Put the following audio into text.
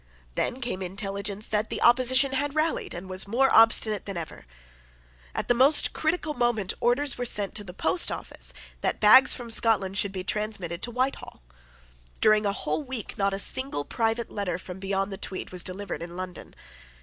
Then came intelligence that the opposition had rallied and was more obstinate than ever. At the most critical moment orders were sent to the post office that the bags from Scotland should be transmitted to Whitehall. During a whole week not a single private letter from beyond the Tweed was delivered in London.